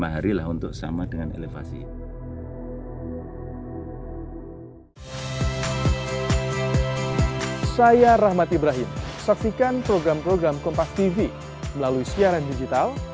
lima hari lah untuk sama dengan elevasi